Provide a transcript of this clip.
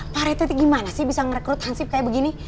pak rete tuh gimana sih bisa ngerekrut hansip kayak begini